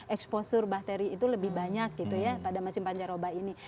exposure bakteri itu lebih banyak gitu ya pada masing panjaroba ini